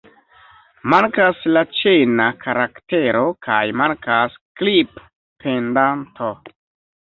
Mankas la ĉena karaktero kaj mankas "klip-pendanto".